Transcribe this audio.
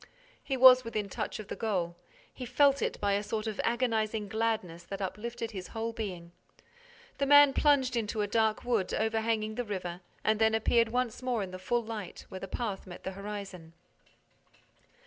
He was within touch of the goal. He felt it by a sort of agonizing gladness that uplifted his whole being. The man plunged into a dark wood overhanging the river and then appeared once more in the full light, where the path met the horizon.